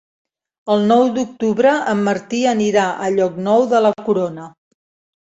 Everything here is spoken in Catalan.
El nou d'octubre en Martí anirà a Llocnou de la Corona.